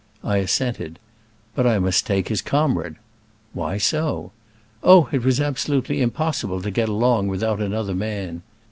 I assented. But I must take his comrade. "Why so?" Oh, it was absolutely impossible to get along without another man.